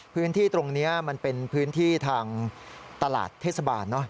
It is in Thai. พื้นที่ตรงนี้มันเป็นพื้นที่ทางตลาดเทศบาล